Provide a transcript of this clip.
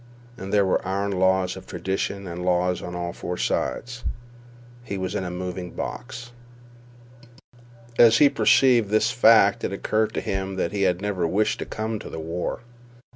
And there were iron laws of tradition and law on four sides. He was in a moving box. As he perceived this fact it occurred to him that he had never wished to come to the war.